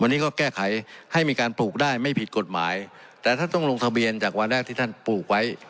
วันนี้ก็แก้ไขให้มีการปลูกได้ไม่ผิดกฎหมายแต่ท่านต้องลงทะเบียนจากวันแรกที่ท่านปลูกไว้